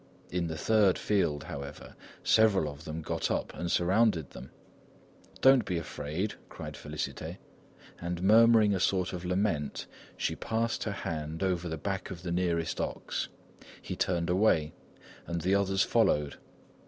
In the third field, however, several of them got up and surrounded them. "Don't be afraid," cried Félicité; and murmuring a sort of lament she passed her hand over the back of the nearest ox; he turned away and the others followed.